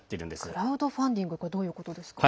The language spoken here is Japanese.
クラウドファンディングどういうことですか？